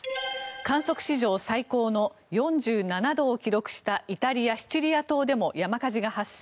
観測史上最高の４７度を記録したイタリア・シチリア島でも山火事が発生。